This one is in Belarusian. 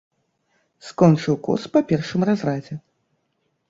Скончыў курс па першым разрадзе.